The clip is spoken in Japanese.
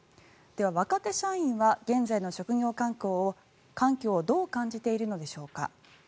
では、若手社員は現在の職業環境をどう感じているのでしょうか。